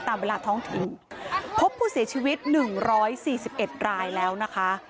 ตามเวลาท้องถิ่นพบผู้เสียชีวิต๑๔๑รายแล้วนะคะ